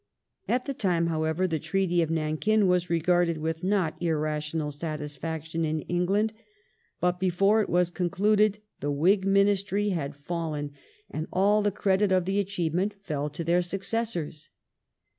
At the time, however, the Treaty of Nankin was regarded with not irrational satisfaction in England. But before it was concluded the Whig Ministry had fallen, and all the credit of the achievement fell to their successors.